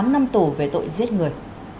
một mươi tám năm tù về tội giết người